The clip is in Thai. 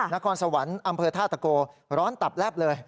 นครสวรรค์อำเภอท่าตะโกร้อนตับแลบเลย